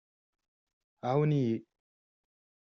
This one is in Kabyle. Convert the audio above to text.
ɛawen-iyi!